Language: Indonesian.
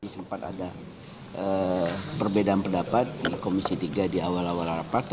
sempat ada perbedaan pendapat di komisi tiga di awal awal rapat